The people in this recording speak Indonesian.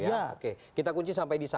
nanti kita pergi ke adidas